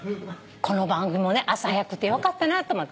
この番組もね朝早くてよかったなと思って。